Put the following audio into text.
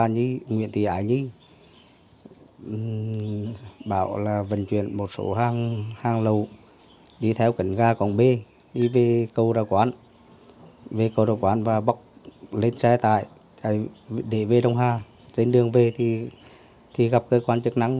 nguyễn thị ái nhi huyện hương hóa huyện hương hóa